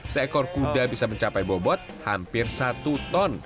seekor kuda bisa mencapai bobot hampir satu ton